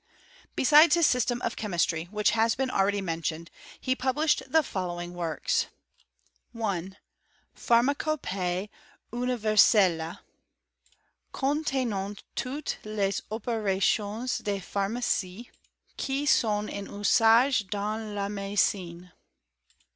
Besides his System of Chemistry, which has been already mentioned, he published the following works : 1. Pharmacopee universelle, contenant toutes les Operations de Pharmacie qui sont en usage dans la Medicine.